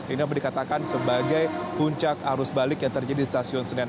ini apa dikatakan sebagai puncak arus balik yang terjadi di stasiun senen